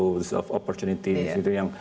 untuk peluang sendiri